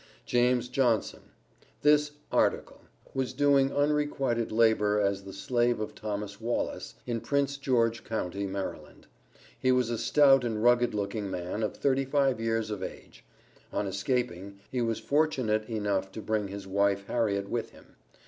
JAMES JOHNSON. This "article" was doing unrequited labor as the slave of Thomas Wallace, in Prince George county, Maryland. He was a stout and rugged looking man, of thirty five years of age. On escaping, he was fortunate enough to bring his wife, Harriet with him.